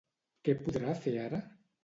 Què podrà fer ara?